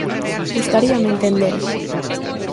Gustaríame entendelo.